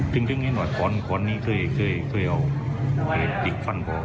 ถึงถึงนี่หน่อยควรควรนี่คือคือคือเอาคือติดฟันบอก